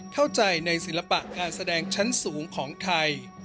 เข้าใจในศิลปะการแสดงชั้นสูงของไทย